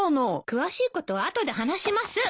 詳しいことは後で話します。